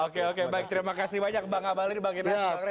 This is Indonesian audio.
oke oke baik terima kasih banyak bang abalin bang ines dan hanura